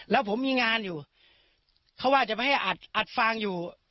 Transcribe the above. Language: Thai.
แล้วผมมีงานอยู่เขาว่าจะไม่ให้อัดอัดฟางอยู่